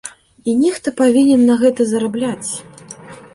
І нехта павінен на гэта зарабляць.